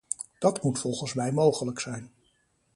Dat moet volgens mij mogelijk zijn.